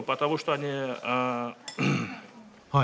はい。